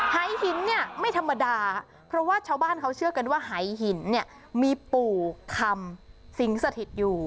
หายหินเนี่ยไม่ธรรมดาเพราะว่าชาวบ้านเขาเชื่อกันว่าหายหินเนี่ยมีปู่คำสิงสถิตอยู่